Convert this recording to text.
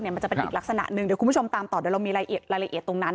มันจะเป็นอีกลักษณะหนึ่งเดี๋ยวคุณผู้ชมตามต่อเดี๋ยวเรามีรายละเอียดตรงนั้น